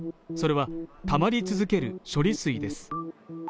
それはたまり続ける処理水です